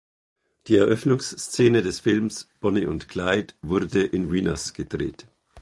Die Eröffnungsszene des Films Bonnie und Clyde wurde in Venus gedreht.